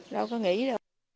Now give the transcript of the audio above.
đâu có nghĩ đâu